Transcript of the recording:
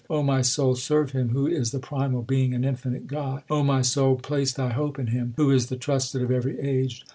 O my soul, serve Him Who is the primal Being and infinite God. O my soul, place thy hope in Him Who is the trusted of every age.